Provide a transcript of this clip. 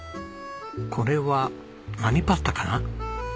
これは何パスタかな？